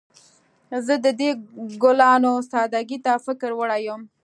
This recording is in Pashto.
زه د دې ګلانو سادګۍ ته فکر وړی یم